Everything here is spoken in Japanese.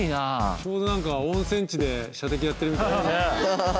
ちょうど何か温泉地で射的やってるみたいハハハ